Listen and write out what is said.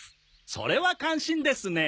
それは感心ですね。